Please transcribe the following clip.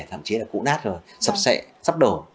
thậm chí là cũ nát rồi sập sệ sắp đổ